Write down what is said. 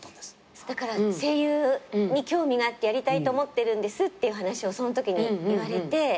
だから声優に興味があってやりたいと思ってるんですっていう話をそのときに言われて。